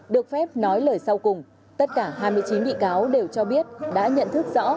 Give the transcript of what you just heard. được phép nói lời sau cùng tất cả hai mươi chín bị cáo đều cho biết đã nhận thức rõ